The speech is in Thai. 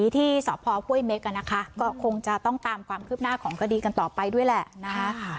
ที่สพห้วยเม็กนะคะก็คงจะต้องตามความคืบหน้าของคดีกันต่อไปด้วยแหละนะคะ